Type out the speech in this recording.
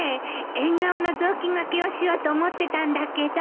縁側の雑巾がけをしようと思ってたんだけど。